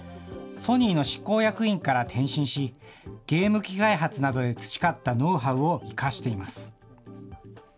ソニーの執行役員から転身し、ゲーム機開発などで培ったノウハウを生かしています。